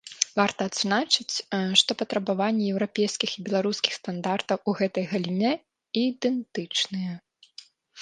Варта адзначыць, што патрабаванні еўрапейскіх і беларускіх стандартаў у гэтай галіне ідэнтычныя.